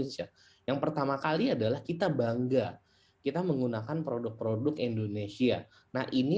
indonesia yang pertama kali adalah kita bangga kita menggunakan produk produk indonesia nah ini